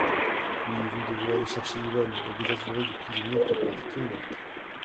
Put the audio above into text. Puis vous devez aller chercher Yvonne, et vous assurer du prisonnier fait par Keinec.